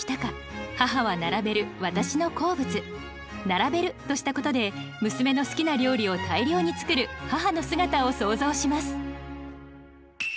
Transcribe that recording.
「並べる」としたことで娘の好きな料理を大量に作る母の姿を想像します。